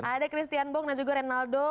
ada christian bong dan juga renaldo